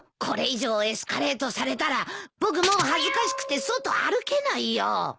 これ以上エスカレートされたら僕もう恥ずかしくて外歩けないよ。